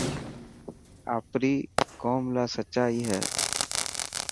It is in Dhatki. آپري قوم لاءِ سچائي هئي.